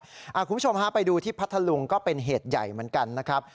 คุณผู้ชมฮะไปดูที่พัทธลุงก็เป็นเหตุใหญ่เหมือนกันนะครับ